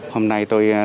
hôm nay tôi